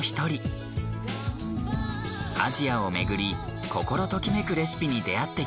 アジアを巡り心ときめくレシピに出会ってきました。